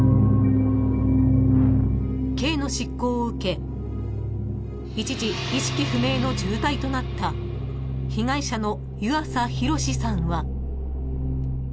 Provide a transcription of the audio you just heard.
［刑の執行を受け一時意識不明の重体となった被害者の］